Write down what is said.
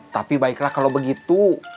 tapi baiklah kalau begitu